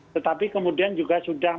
tetapi kemudian juga sudah